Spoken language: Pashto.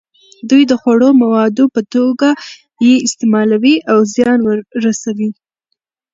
دوی د خوړو موادو په توګه یې استعمالوي او زیان رسوي.